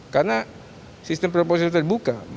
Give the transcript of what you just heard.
karena sistem proposional terbuka